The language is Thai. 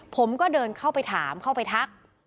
ผมก็เดินเข้าไปถามเข้าไปทัก